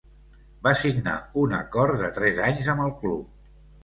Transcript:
Va signar un acord de tres anys amb el club.